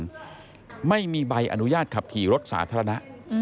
ไม่มีใบอนุญาตขับขี่รถสาธารณะ